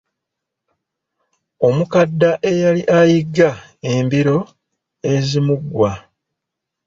Omukadda eyali ayigga embiro ezimuggwa.